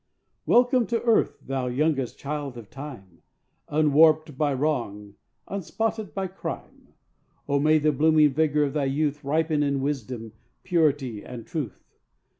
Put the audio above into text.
Welcome to earth, thou youngest child of Time, Unwarped by wrong, unspotted by a crime! Oh, may the blooming vigor of thy youth Ripen in wisdom, purity and truth.